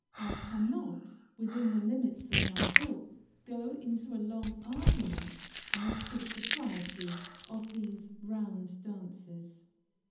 I cannot, within the limits of my book, go into a long argument as to the propriety of these round dances.